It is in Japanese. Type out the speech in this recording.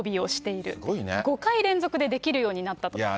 ５回連続でできるようになったと。